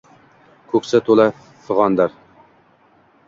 Ko’ksi to’la fig’ondir.